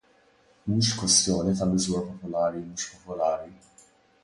Mhix kwestjoni ta' miżura popolari u mhux popolari.